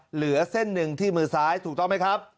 เหลือเส้นหนึ่งที่มือซ้ายถูกต้องไหมครับ